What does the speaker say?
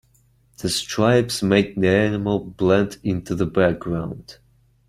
The stripes made the animal blend into the background,